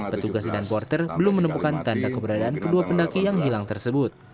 petugas dan porter belum menemukan tanda keberadaan kedua pendaki yang hilang tersebut